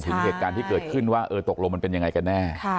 ถึงเหตุการณ์ที่เกิดขึ้นว่าเออตกลงมันเป็นยังไงกันแน่